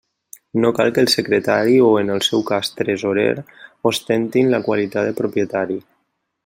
No cal que el Secretari o, en el seu cas, Tresorer, ostentin la qualitat de propietari.